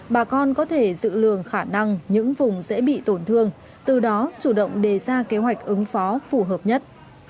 bà con có thể dự lường khả năng những vùng dễ bị tổn thương từ đó chủ động đề ra kế hoạch ứng phó phù hợp nhất